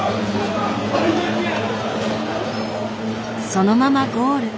そのままゴール。